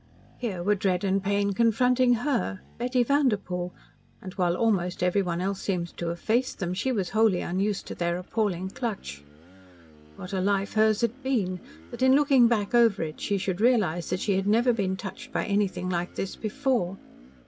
Here were dread and pain confronting her Betty Vanderpoel and while almost everyone else seemed to have faced them, she was wholly unused to their appalling clutch. What a life hers had been that in looking back over it she should realise that she had never been touched by anything like this before!